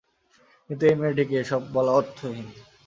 কিন্তু এই মেয়েটিকে এ-সব বলা অর্থহীন।